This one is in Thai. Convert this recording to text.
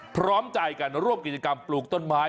พร้อมใจกันร่วมกิจกรรมปลูกต้นไม้